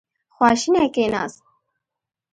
خواشینی کېناست.